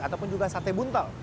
ataupun juga sate buntal